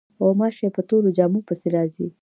غوماشې په تورو جامو پسې راځي.